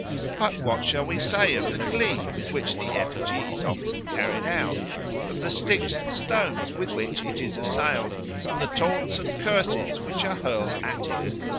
But what shall we say of the glee with which the effigy is often carried out, of the sticks and stones with which it is assailed, and the taunts and curses which are hurled at it?